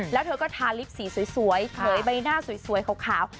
แล้วเธอก็ทาลิปสีสวยเผยใบหน้าสวยขาว